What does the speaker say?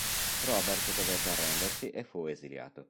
Robert dovette arrendersi e fu esiliato.